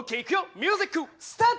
ミュージックスタート！